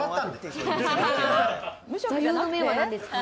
座右の銘は何ですか？